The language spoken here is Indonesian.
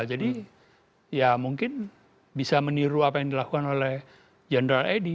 jadi ya mungkin bisa meniru apa yang dilakukan oleh general edi